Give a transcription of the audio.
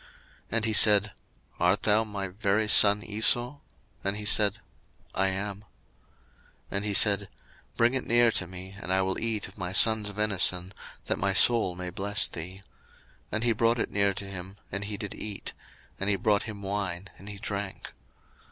01:027:024 And he said, Art thou my very son Esau? And he said, I am. 01:027:025 And he said, Bring it near to me, and I will eat of my son's venison, that my soul may bless thee. And he brought it near to him, and he did eat: and he brought him wine and he drank.